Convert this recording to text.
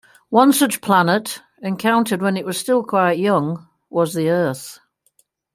One such planet, encountered when it was still quite young, was the Earth.